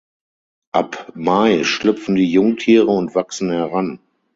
Ab Mai schlüpfen die Jungtiere und wachsen heran.